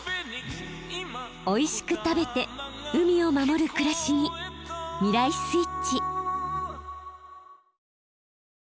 おいしく食べて海を守る暮らしに未来スイッチ。